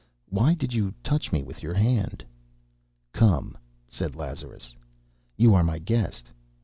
Why did you touch me with your hand?" "Come," said Lazarus, "you are my guest."